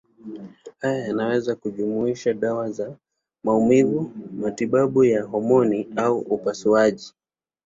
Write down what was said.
Haya yanaweza kujumuisha dawa za maumivu, matibabu ya homoni au upasuaji.